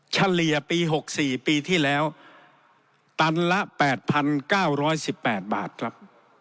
เฉลี่ยปีหกสี่ปีที่แล้วตันละแปดพันเก้าร้อยสิบแปดบาทครับ